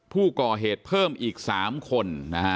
ผู้ก่อเหตุเพิ่มอีก๓คนนะฮะ